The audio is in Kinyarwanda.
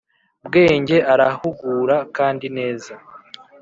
Bwenge arahugura kndi neza